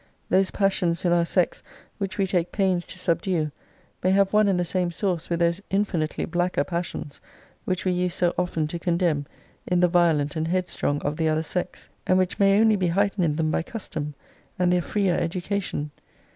Those passions in our sex, which we take pains to subdue, may have one and the same source with those infinitely blacker passions, which we used so often to condemn in the violent and headstrong of the other sex; and which may only be heightened in them by custom, and their freer education.